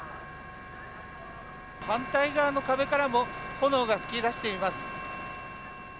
反対側の壁からも炎が噴き出しています。